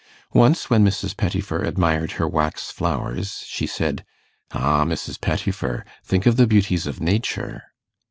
Once, when Mrs. Pettifer admired her wax flowers, she said, "Ah, Mrs. Pettifer, think of the beauties of nature!"